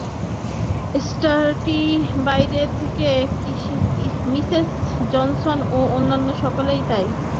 Sturdy বাইরে গেছে, Mrs Johnson এবং অন্য সকলেও তাই।